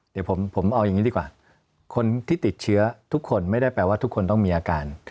เดี๋ยวผมเอาอย่างนี้ดีกว่าคนที่ติดเชื้อทุกคนไม่ได้แปลว่าทุกคนต้องมีอาการ